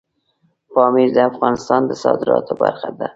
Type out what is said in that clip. پامیر د افغانستان د صادراتو برخه ده.